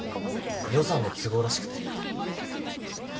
予算の都合らしくて。